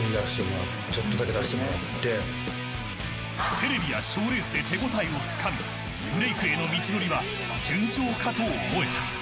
テレビや賞レースで手応えをつかみブレイクへの道のりは順調かと思えた。